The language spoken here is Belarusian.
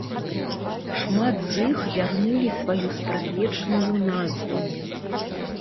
Шмат з іх вярнулі сваю спрадвечную назву.